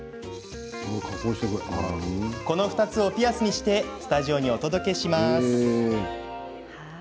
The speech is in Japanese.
この２つをピアスにしてスタジオにお届けします。